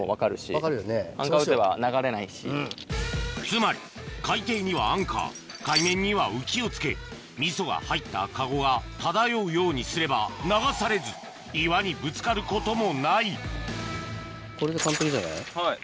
つまり海底にはアンカー海面には浮きを付け味噌が入ったカゴが漂うようにすれば流されず岩にぶつかることもないこれで完璧じゃない？